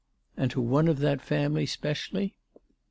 " And to one of that family specially